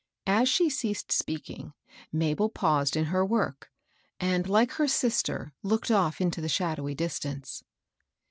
As she ceased speaking, Mabel paused in her work, and, like her sister, looked off into the shadowy distance.